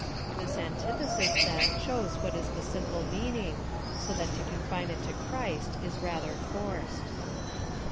This antithesis, then, shows what is the simple meaning, so that to confine it to Christ is rather forced.